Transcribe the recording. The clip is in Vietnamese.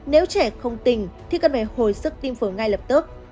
nếu trẻ không tỉnh thì cần phải hồi sức tiêm phủ ngay lập tức